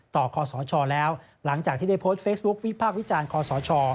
คอสชแล้วหลังจากที่ได้โพสต์เฟซบุ๊ควิพากษ์วิจารณ์คอสช